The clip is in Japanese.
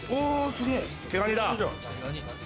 すげえ。